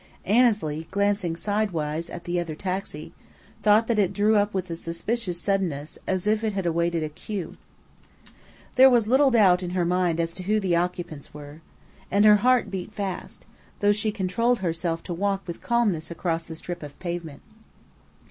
Annesley, glancing sidewise at the other taxi, thought that it drew up with suspicious suddenness, as if it had awaited a "cue." There was little doubt in her mind as to who the occupants were, and her heart beat fast, though she controlled herself to walk with calmness across the strip of pavement.